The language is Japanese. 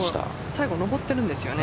最後、上っているんですよね。